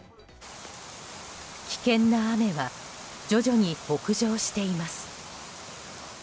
危険な雨は徐々に北上しています。